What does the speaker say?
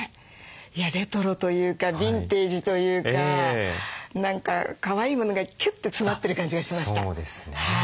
レトロというかビンテージというか何かかわいいものがキュッと詰まってる感じがしました。